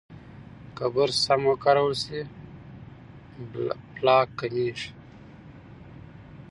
که برس سم وکارول شي، پلاک کمېږي.